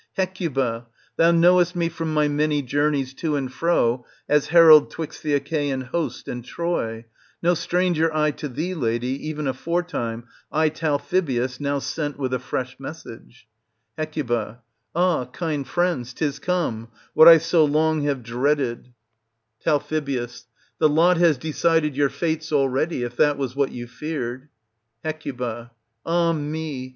Hecuba, thou knowest me from my many journeys to and fro as herald 'twixt the Achaean host and Troy ; no stranger I to thee, lady, even aforetime, I Talthybius, now sent with a fresh message. Hec. Ah, kind friends, 'tis come ! what I so long have dreaded. Digitized by Google THE TROJAN WOMEN. 233 Tal. The lot has decided your fetes already, if that was what you feared Hec. Ah me!